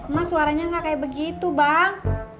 mas suaranya nggak kayak begitu bang